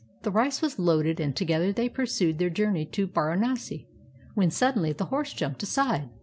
The rice was loaded and together they pursued their journey to Baranasi, when suddenly the horse jumped aside.